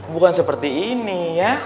bukan seperti ini ya